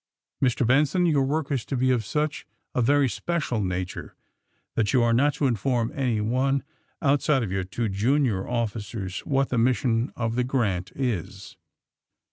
Mr. Benson, your work is to be of such a very special nature that you are not to inform any one, outside of your two junior officers, what the mission of the 'Grant' is."